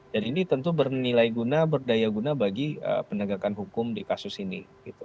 dan ini tentu bernilai guna berdaya guna bagi penegakan hukum di kasus ini